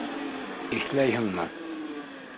Иҫләйһеңме...